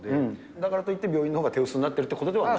だからといって、病院のほうが手薄になっているということではない？